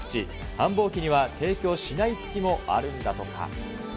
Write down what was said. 繁忙期には提供しない月もあるんだとか。